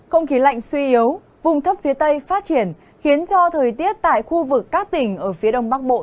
không khí lạnh suy yếu vùng thấp phía tây phát triển khiến cho thời tiết tại khu vực các tỉnh ở phía đông bắc bộ